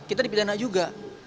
kita di pidana juga